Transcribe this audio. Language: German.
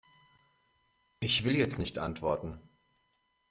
Ich will jetzt nicht antworten.